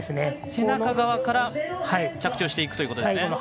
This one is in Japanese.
背中側から着地していくということですね。